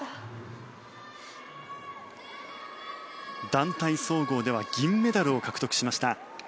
団体総合では銀メダルを獲得しました